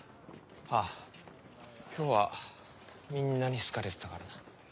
ああ漂はみんなに好かれてたからな。